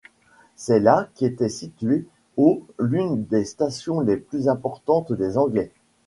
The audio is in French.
C'est là qu’était située au l'une des stations les plus importantes des Anglais.